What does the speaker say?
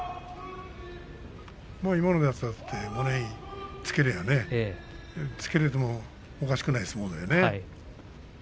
今のやつだって物言いをつけてもおかしくない相撲だったよね。